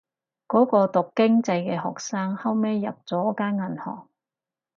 嗰個讀經濟嘅學生後尾入咗間銀行